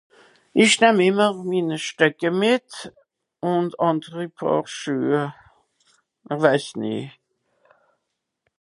esch nahm ìmmer minne stäcke mìt und anderi paar schüe mer weiss nee